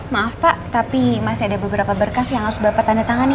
maaf pak tapi masih ada beberapa berkas yang harus bapak tanda tangani